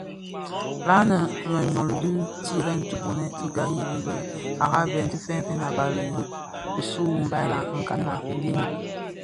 Lanne më nloghi dhi tirèd ti bodhèn bi gari yi bë araben bi fènfèn a bali Ire kisu: Mbai la? nkan la? dhëni.